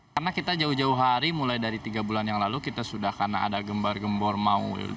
karena kita jauh jauh hari mulai dari tiga bulan yang lalu kita sudah karena ada gembar gembor mau